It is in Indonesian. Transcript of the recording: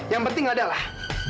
yang penting adalah